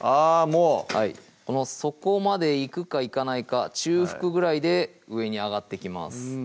もうはい底まで行くか行かないか中腹ぐらいで上に上がってきます